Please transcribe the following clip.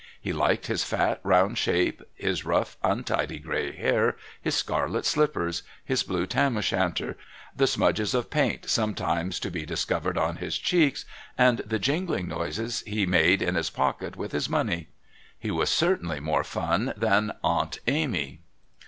He liked his fat round shape, his rough, untidy grey hair, his scarlet slippers, his blue tam o' shanter, the smudges of paint sometimes to be discovered on his cheeks, and the jingling noises he made in his pocket with his money. He was certainly more fun than Aunt Amy.